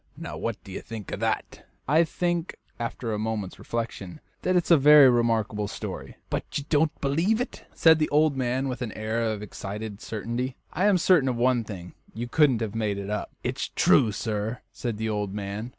Now, what do you think of that?" "I think" after a moment's reflection "that it's a very remarkable story." "But you don't believe it," said the old man, with an air of excited certainty. "I am certain of one thing; you couldn't have made it up." "It's true, sir," said the old man.